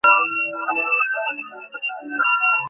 আমি, ঊশিয়ান, শাওহেই।